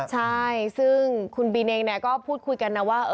ใช่ซึ่งคุณบินเองก็พูดคุยกันนะว่า